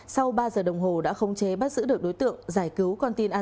sau ba giờ đồng hồ đã không chế bắt giữ được đối tượng giải cứu con tin an toàn